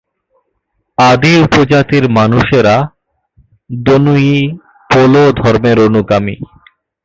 আদি উপজাতির মানুষেরা দোনয়ি-পোলো ধর্মের অনুগামী।